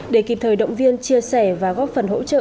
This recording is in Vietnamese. để kịp thời động viên chia sẻ và góp phần hỗ trợ